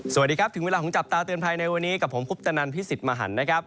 สวัสดีครับถึงเวลาของจับตาเตือนภัยในวันนี้กับผมคุปตนันพิสิทธิ์มหันนะครับ